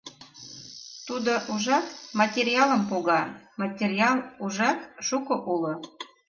Тудо, ужат, материалым пога, Материал, ужат, шуко уло.